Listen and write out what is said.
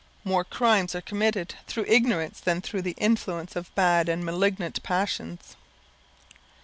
More crimes are committed through ignorance than through the influence of bad and malignant passions.